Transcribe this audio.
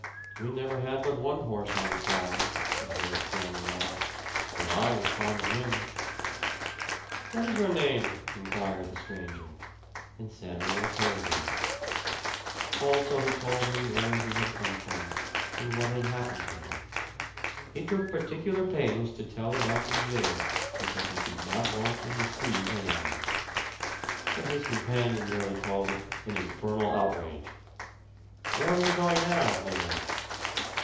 "We never had but one horse on the farm," observed Samuel. "But I was fond of him." "What is your name?" inquired the stranger; and Samuel told him. Also he told him where he had come from and what had happened to him. He took particular pains to tell about the jail, because he did not want to deceive anyone. But his companion merely called it "an infernal outrage." "Where were you going now?" he asked.